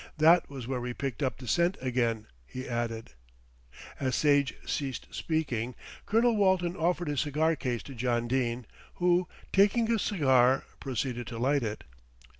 That was where we picked up the scent again," he added. As Sage ceased speaking, Colonel Walton offered his cigar case to John Dene, who, taking a cigar proceeded to light it.